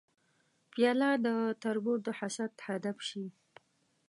پیاله د تربور د حسد هدف شي.